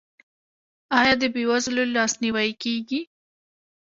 آیا د بې وزلو لاسنیوی کیږي؟